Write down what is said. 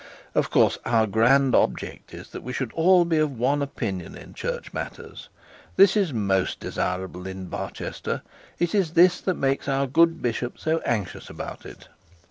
'Of course our grand object is, that we should all be of one opinion in church matters. This is most desirable at Barchester; it is this that makes our good bishop so anxious about it.